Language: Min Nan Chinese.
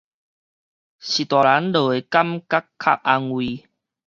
序大人就會感覺較安慰